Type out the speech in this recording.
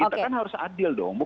kita kan harus adil dong